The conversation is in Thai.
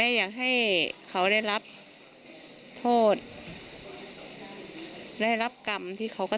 ด้วยเหมือนท่านนะครับมาไปไหนนะครับ